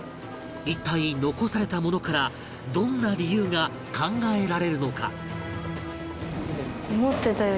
一体残されたものからどんな理由が考えられるのか？